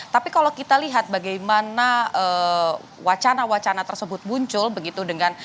tapi kalau kita lihat bagaimana wacana wacana tersebut muncul begitu dengan